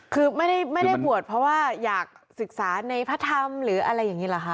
คือไม่ได้บวชเพราะว่าอยากศึกษาในพระธรรมหรืออะไรอย่างนี้เหรอคะ